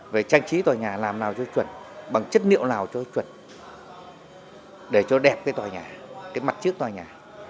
về trang trí tòa nhà làm nào cho chuẩn bằng chất liệu nào cho chuẩn để cho đẹp cái tòa nhà cái mặt trước tòa nhà